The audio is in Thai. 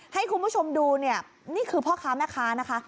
ให้คุณผู้ชมดูเนี่ยนี่คือพ่อค้าแม่ค้านะคะ